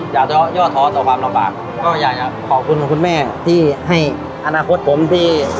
อยากจะย่อท้อต่อความลำบากก็อยากจะขอบคุณคุณแม่ที่ให้อนาคตผมที่